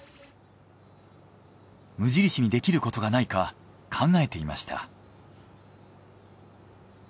無印にできることがないか考えていました。